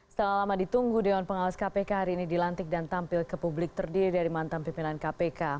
setelah lama ditunggu dewan pengawas kpk hari ini dilantik dan tampil ke publik terdiri dari mantan pimpinan kpk